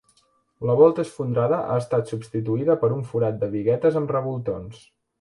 La volta esfondrada ha estat substituïda per un forat de biguetes amb revoltons.